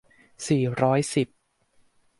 สี่ร้อยสิบ